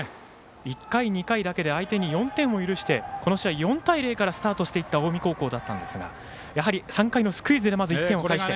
１回、２回だけで相手に４点を許してこの試合、４対０からスタートしていた近江高校ですがやはり３回のスクイズでまず１点を返して。